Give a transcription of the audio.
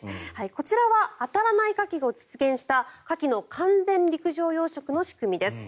こちらはあたらないカキを実現したカキの完全陸上養殖の仕組みです。